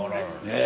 え。